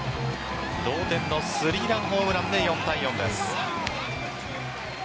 同点の３ランホームランで４対４です。